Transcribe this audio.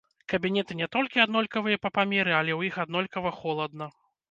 Кабінеты не толькі аднолькавыя па памеры, але ў іх аднолькава холадна.